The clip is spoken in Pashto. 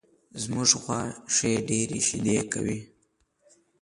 زمونږ غوا ښې ډېرې شیدې کوي